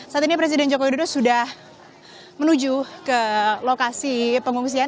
saat ini presiden joko widodo sudah menuju ke lokasi pengungsian